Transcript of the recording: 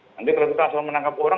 nanti kalau kita asal menangkap orang